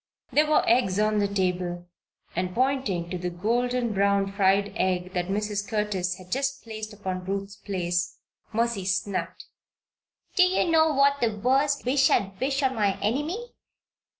There were eggs on the table and, pointing to the golden brown fried egg that Mrs. Curtis had just placed upon Ruth's plate, Mercy snapped: "Do you know what's the worst wish I'd wish on My Enemy?"